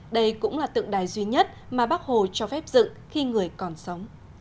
đây cũng là tượng đài duy nhất mà bác hồ cho phép dựng khi người còn sống